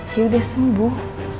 dia udah sembuh